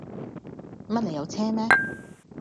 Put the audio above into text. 乜你有車咩